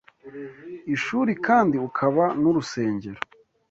ishuri kandi ukaba n’urusengero